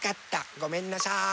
ごめんなさい。